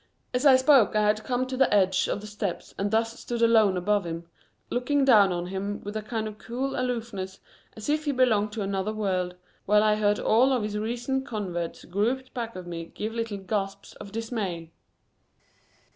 As I spoke I had come to the edge of the steps and thus stood alone above him, looking down on him with a kind of cool aloofness as if he belonged to another world, while I heard all of his recent converts grouped back of me give little gasps of dismay.